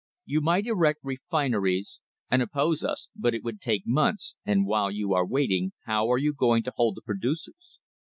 You might erect refin eries and oppose us, but it would take months, and while you are waiting how are you going to hold the producers?